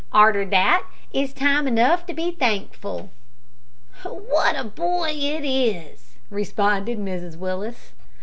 Arter that it's time enough to be thankful." "What a boy it is!" responded Mrs Willis.